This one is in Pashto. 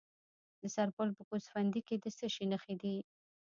د سرپل په ګوسفندي کې د څه شي نښې دي؟